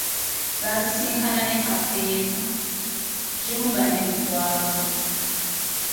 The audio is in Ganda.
Baasisinkana ne Kafeero, Jjumba ne Lukwago.